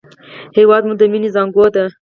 هېواد مو د مینې زانګو ده